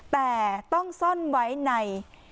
แต่ต้องซ่อนไว้ใน